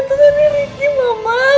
itu kan ricky mama